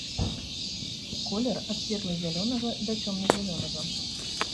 Колер ад светла-зялёнага да цёмна-зялёнага.